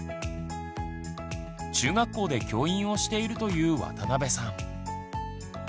中学校で教員をしているという渡邊さん。